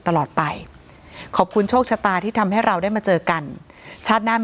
ตลอดไปขอบคุณโชคชะตาที่ทำให้เราได้มาเจอกันชาติหน้า